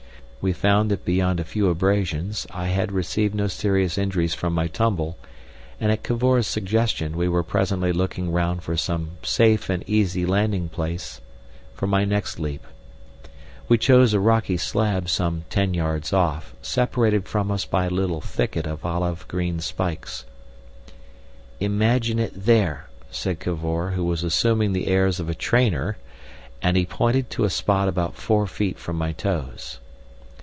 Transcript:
We found that beyond a few abrasions I had received no serious injuries from my tumble, and at Cavor's suggestion we were presently looking round for some safe and easy landing place for my next leap. We chose a rocky slab some ten yards off, separated from us by a little thicket of olive green spikes. "Imagine it there!" said Cavor, who was assuming the airs of a trainer, and he pointed to a spot about four feet from my toes.